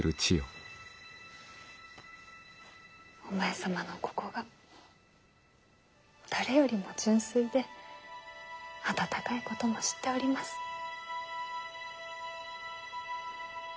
お前様のここが誰よりも純粋で温かいことも知っております。